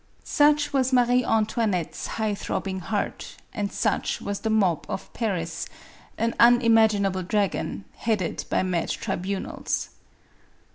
Such was Marie Antoinette's high throbbing heart, and such was the mob of Paris, an unimaginable drag on, headed by mad tribunals.